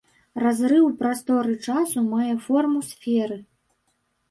Разрыў прасторы-часу мае форму сферы.